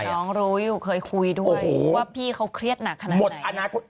แต่น้องรู้อยู่เคยคุยด้วยว่าพี่เขาเครียดหนักขนาดไหน